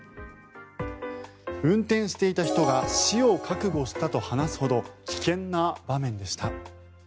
運転していた人が死を覚悟したと話すほど危険な場面でした。